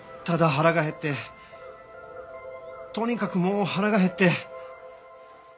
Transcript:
ただ腹が減ってとにかくもう腹が減って。